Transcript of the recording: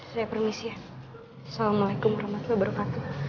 saya permisi ya